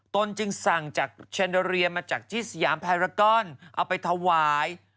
ตนจึงสั่งจากแชนเดอเรียมาจากที่สยามพารากอนเอาไปถวาย